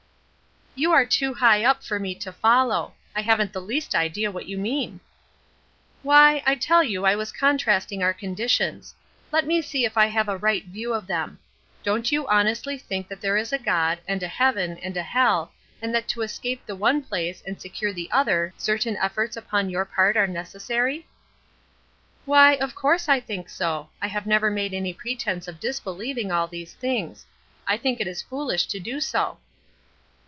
"You are too high up for me to follow. I haven't the least idea what you mean." "Why, I tell you I was contrasting our conditions. Let me see if I have a right view of them. Don't you honestly think that there is a God, and a heaven, and a hell, and that to escape the one place and secure the other certain efforts upon your part are necessary?" "Why, of course I think so. I have never made any pretense of disbelieving all these things. I think it is foolish to do so."